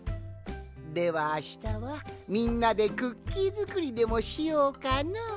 ではあしたはみんなでクッキーづくりでもしようかの。